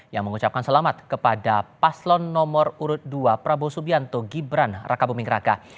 yang mengucapkan selamat kepada paslon nomor urut dua prabowo subianto gibran raka buming raka